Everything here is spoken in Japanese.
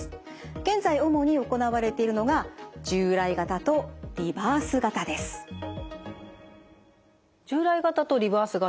現在主に行われているのが従来型とリバース型。